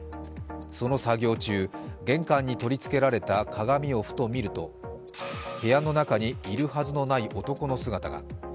その作業中、玄関に取り付けられた鏡をふと見ると、部屋の中にいるはずのない男の姿が。